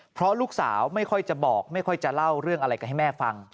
เพราะลูกสาวไม่ค่อยจะบอกไม่ค่อยจะเล่าเรื่องอะไรกันให้แม่ฟัง